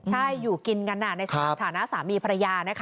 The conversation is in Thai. ใช่อยู่กินกันในสถานะสามีภรรยานะคะ